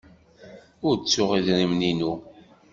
Ur ttuɣ idrimen-inu.